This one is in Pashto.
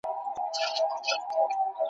ټول معیارونه ټاکل شوي وو.